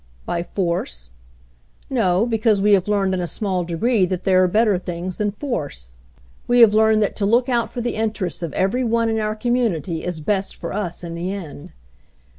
By force? No, because we have learned in a small degree that there are things better than force. We have learned that to look out for the interests of every one in our community is best for us in the end.